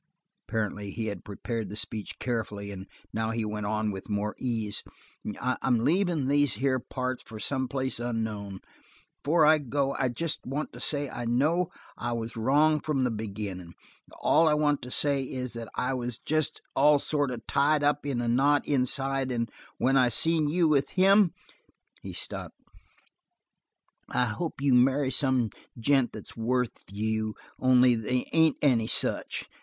Apparently he had prepared the speech carefully, and now he went on with more ease: "I'm leavin' these here parts for some place unknown. Before I go I jest want to say I know I was wrong from the beginnin'. All I want to say is that I was jest all sort of tied up in a knot inside and when I seen you with him " He stopped. "I hope you marry some gent that's worth you, only they ain't any such.